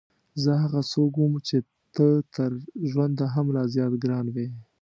زه هغه څوک وم چې ته تر ژونده هم لا زیات ګران وې.